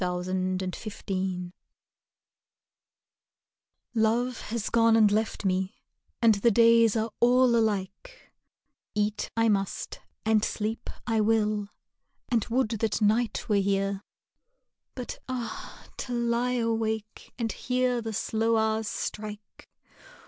Ashes of Life Love has gone and left me and the days are all alike; Eat I must, and sleep I will, and would that night were here! But ah! to lie awake and hear the slow hours strike!